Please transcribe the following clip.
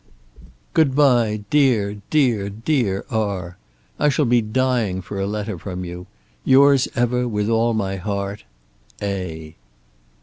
Good bye dear, dear, dear R. I shall be dying for a letter from you. Yours ever, with all my heart. A.